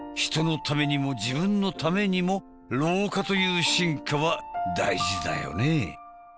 人のためにも自分のためにも老化という進化は大事だよね。